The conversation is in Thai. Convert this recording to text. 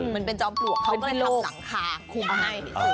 มันเป็นจอมปลวกเขาก็เลยทำหลังคาคุมให้